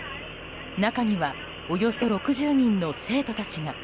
中にはおよそ６０人の生徒たちが。